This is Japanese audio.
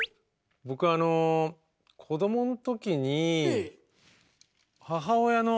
僕はあの子どもの時に母親の。